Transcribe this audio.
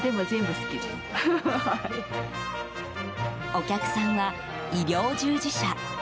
お客さんは、医療従事者。